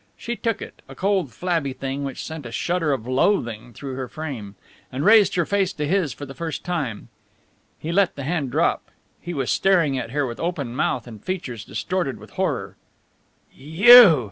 She took it, a cold flabby thing which sent a shudder of loathing through her frame, and raised her face to his for the first time. He let the hand drop. He was staring at her with open mouth and features distorted with horror. "You!"